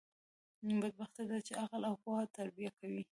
بدبختي ده، چي عقل او پوهه تربیه کوي.